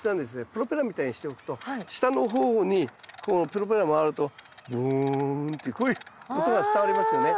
プロペラみたいにしておくと下の方にこのプロペラが回るとブーンというこういう音が伝わりますよね。